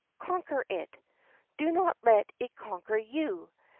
Conquer it; do not let it conquer you.